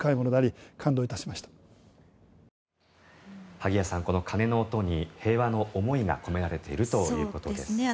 萩谷さん、この鐘の音に平和の思いが込められているということです。